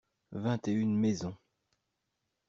Vingt et une maisons.